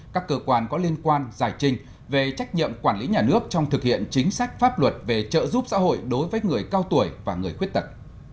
các cơ quan có liên quan giải trình về trách nhiệm quản lý nhà nước trong thực hiện chính sách pháp luật về trợ giúp xã hội đối với người cao tuổi và người khuyết tật